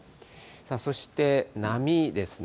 そして波ですね。